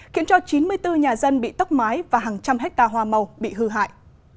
khiến cho chín mươi bốn nhà dân bị tốc mái và hàng trăm hectare hoa màu bị hư hại